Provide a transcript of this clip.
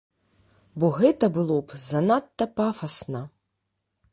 Бо гэта было б занадта пафасна.